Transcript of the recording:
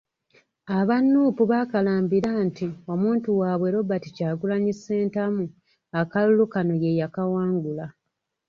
Aba Nuupu baakalambira nti omuntu waabwe, Robert Kyagulanyi Ssentamu akalulu kano ye yakawangula .